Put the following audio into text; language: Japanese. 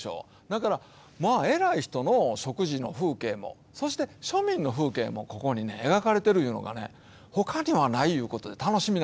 だから偉い人の食事の風景もそして庶民の風景もここに描かれてるいうのがねほかにはないいうことで楽しみなんです。